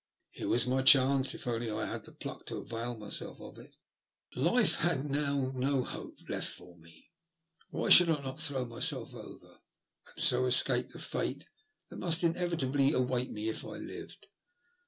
Here was my chance if only I had the pluck to avail myself of it. Life had now no hope left for me. Why should I not throw myself over, and so escape the fate that must inevitably await me if I lived